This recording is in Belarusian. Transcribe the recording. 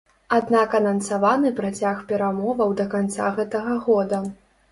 Аднак анансаваны працяг перамоваў да канца гэтага года.